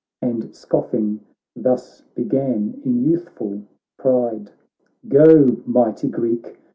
And scoffing, thus began, in youthful pride :' Go, mighty Greek